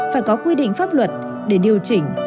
phải có quy định pháp luật để điều chỉnh